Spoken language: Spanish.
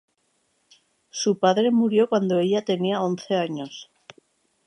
Su padre murió cuando ella tenía once años.